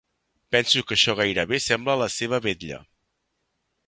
Penso que això gairebé sembla la seva vetlla.